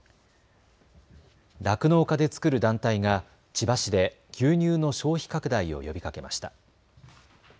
酪農家で作る団体が千葉市で牛乳の消費拡大を呼びかけました。